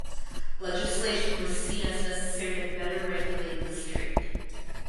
Legislation was seen as necessary to better regulate this trade.